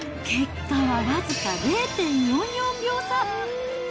結果は僅か０．４４秒差。